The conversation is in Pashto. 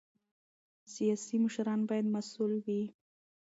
سیاسي مشران باید مسؤل وي